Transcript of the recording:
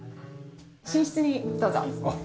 寝室にどうぞ。